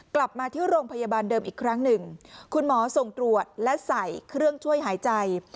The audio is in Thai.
กลับมาที่โรงพยาบาลเดิมอีกครั้งหนึ่งคุณหมอส่งตรวจและใส่เครื่องช่วยหายใจ